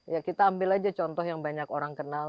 ya kita ambil aja contoh yang banyak orang kenal